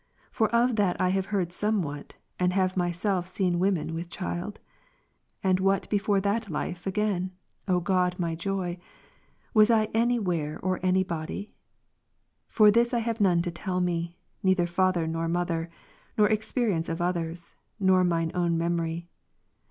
for of that I have heard somewhat, and have myself seen women with child ? and what before that life again, O God my joy, was I any where or any body ? For this have I none to tell me, neither father nor mother, nor experience of others, nor mine own memory.